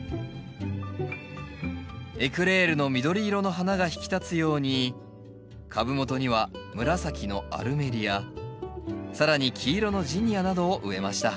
エクレールの緑色の花が引き立つように株元には紫のアルメリア更に黄色のジニアなどを植えました